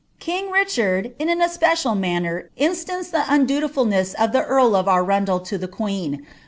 King Richard in an especial manner instanced the undutifaioMi of Ik* earl of Arundel to the queen.'